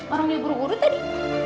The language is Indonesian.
orang yang buru buru tadi